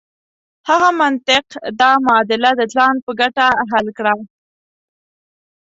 هغه منطق دا معادله د ځان په ګټه حل کړه.